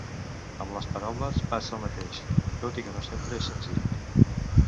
Amb les paraules passa el mateix, tot i que no sempre és senzill.